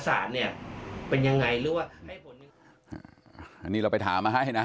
อันนี้เราไปถามมาให้นะ